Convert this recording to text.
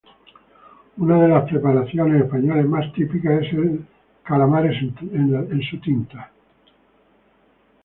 Una de las preparaciones españolas más típicas es el calamares en su tinta.